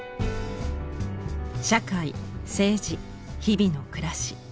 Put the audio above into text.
社会政治日々の暮らし。